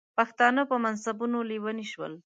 پښتانه په منصبونو لیوني شول.